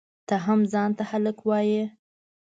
ته هم ځان ته هلک وایئ؟!